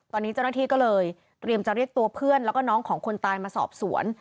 ตอนนี้เจ้าหน้าที่ก็เลยเตรียมจะเรียกตัวเพื่อนแล้วก็น้องของคนตายมาสอบสวน